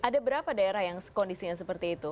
ada berapa daerah yang kondisinya seperti itu